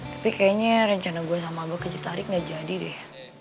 tapi kayaknya rencana gue sama gue keji tarik gak jadi deh